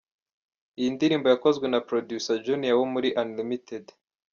Iyi ndirimbo yakozwe na Producer Junior muri Unlimitted.